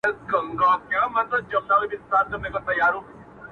سایه یې نسته او دی روان دی,